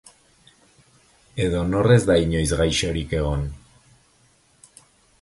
Edo nor ez da inoiz gaixorik egon?